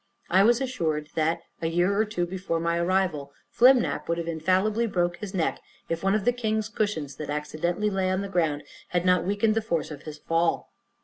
I was assured, that, a year or two before my arrival, Flimnap would have infallibly broke his neck, if one of the king's cushions, that accidentally lay on the ground, had not weakened the force of his fall.